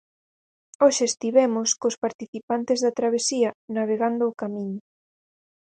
Hoxe estivemos cos participantes da travesía 'Navegando o Camiño'.